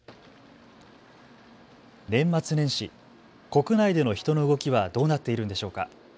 年末年始、国内での人の動きはどうなっているんでしょうか。